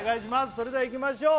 それではいきましょう